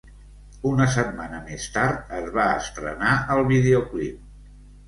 Una setmana més tard es va estrenar el videoclip.